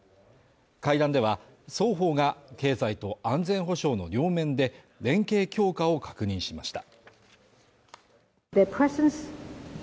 会談では、双方が経済と安全保障の両面で連携強化を確認しました。